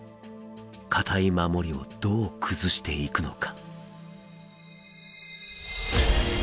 堅い守りをどう崩していくのか？